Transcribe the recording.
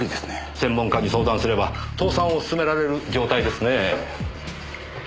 専門家に相談すれば倒産を勧められる状態ですねえ。